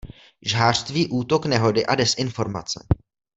Žhářství, Útok, Nehody a Dezinformace.